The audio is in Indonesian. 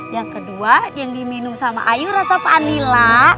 yang kedua yang diminum sama ayu rasa vanila